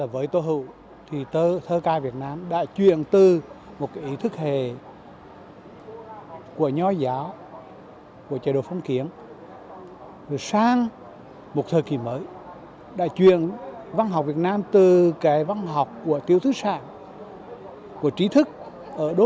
với tố hữu thì thơ ca việt nam đã truyền tự hào